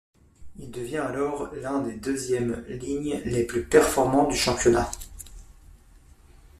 Il devient alors l'un des deuxièmes lignes les plus performants du championnat.